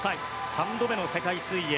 ３度目の世界水泳。